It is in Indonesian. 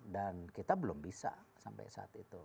dan kita belum bisa sampai saat itu